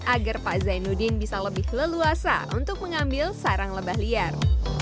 agar pak zainuddin bisa lebih leluasa untuk mengambil sarang lebah liar